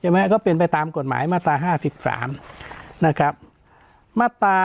ไหมก็เป็นไปตามกฎหมายมาตราห้าสิบสามนะครับมาตรา